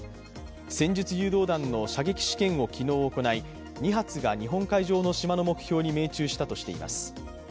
戦術誘導弾の射撃試験を昨日、行い２発が日本海上の島の目標に命中したとしています。